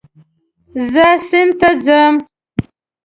زه سیند ته ځم